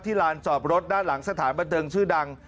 ลานจอดรถด้านหลังสถานบันเทิงชื่อดัง